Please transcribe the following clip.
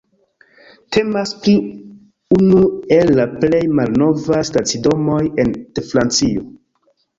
Temas pri unu el la plej malnovaj stacidomoj de Francio.